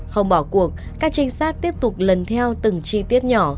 không bỏ cuộc các trinh sát tiếp tục lần theo từng chi tiết nhỏ